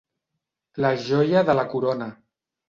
La joia de la corona.